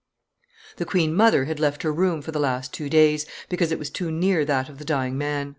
The queen mother had left her room for the last two, days, because it was too near that of the dying man.